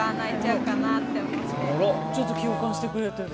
ちょっと共感してくれてる。